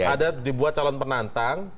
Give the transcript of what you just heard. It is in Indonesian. ada dibuat calon penantang